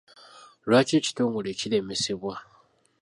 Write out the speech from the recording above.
Lwaki ekitongole kiremesebwa?